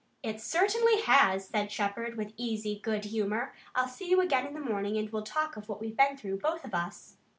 "It certainly has," said Shepard, with easy good humor. "I'll see you again in the morning and we'll talk of what we've been through, both of us."